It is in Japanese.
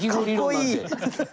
かっこいい。